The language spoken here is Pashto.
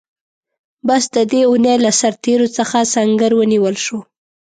بس د دې اوونۍ له سرتېرو څخه سنګر ونیول شو.